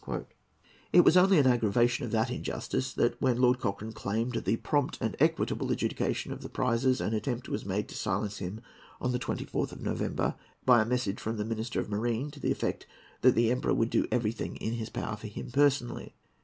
It was only an aggravation of that injustice that, when Lord Cochrane claimed the prompt and equitable adjudication of the prizes, an attempt was made to silence him on the 24th of November by a message from the Minister of Marine, to the effect that the Emperor would do everything in his power for him personally.